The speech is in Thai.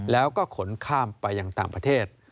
แล้วก็ขนข้ามไปยังต่างประเทศ